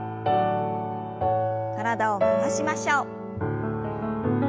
体を回しましょう。